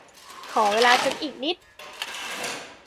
ขอเวลาฉันอีกนิด